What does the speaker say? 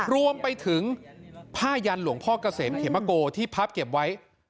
รวมไปถึงผ้ายันหลวงพ่อเกษมเขมโกที่พับเก็บไว้